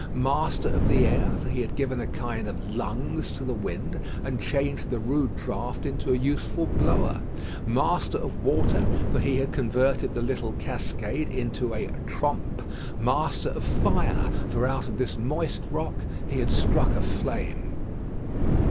Master of the air; for he had given a kind of lungs to the wind, and changed the rude draught into a useful blower. Master of water, for he had converted the little cascade into a "trompe." Master of fire, for out of this moist rock he had struck a flame.